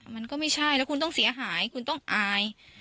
มันก็ไม่ใช่แล้วคุณต้องเสียหายคุณต้องอาย